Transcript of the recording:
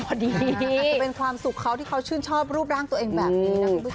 อาจจะเป็นความสุขเขาที่เขาชื่นชอบรูปร่างตัวเองแบบนี้นะคุณผู้ชม